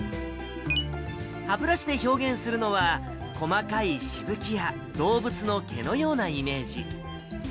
歯ブラシで表現するのは、細かいしぶきや、動物の毛のようなイメージ。